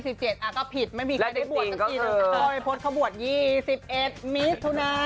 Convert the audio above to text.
ไม่มีใครได้บวชก็คิดอ่ะค่ะและที่จริงก็คือพ่อวัยพศเขาบวช๒๑มิถุนา